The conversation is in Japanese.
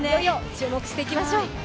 注目していきましょう。